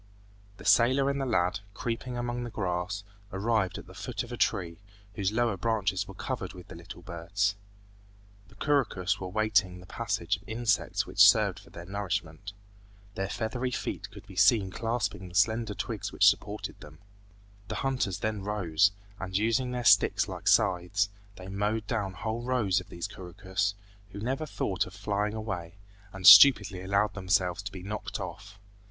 The sailor and the lad, creeping among the grass, arrived at the foot of a tree, whose lower branches were covered with little birds. The couroucous were waiting the passage of insects which served for their nourishment. Their feathery feet could be seen clasping the slender twigs which supported them. The hunters then rose, and using their sticks like scythes, they mowed down whole rows of these couroucous, who never thought of flying away, and stupidly allowed themselves to be knocked off.